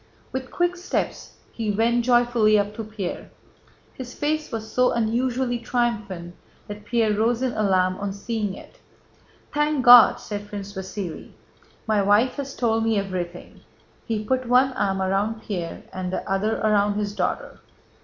With quick steps he went joyfully up to Pierre. His face was so unusually triumphant that Pierre rose in alarm on seeing it. "Thank God!" said Prince Vasíli. "My wife has told me everything!" (He put one arm around Pierre and the other around his daughter.)